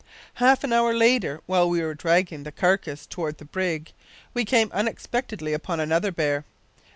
"Half an hour later, while we were dragging the carcass toward the brig, we came unexpectedly upon another bear.